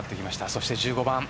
そして１５番。